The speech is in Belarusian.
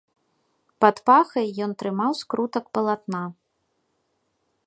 Пад пахай ён трымаў скрутак палатна.